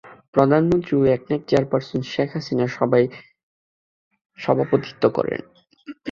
প্রধানমন্ত্রী ও একনেক চেয়ারপারসন শেখ হাসিনা সভায় সভাপতিত্ব করেন।